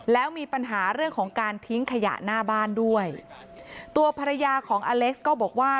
แล้วมีปัญหาเรื่องของการทิ้งขยะหน้าบ้านด้วยตัวภรรยาของอเล็กซ์ก็บอกว่า